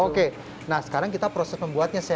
oke nah sekarang kita proses membuatnya chef